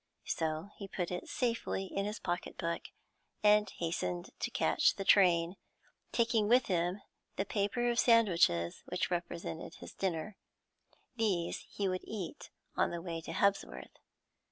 So he put it safely in his pocket book, and hastened to catch the train, taking with him the paper of sandwiches which represented his dinner. These he would eat on the way to Hebsworth.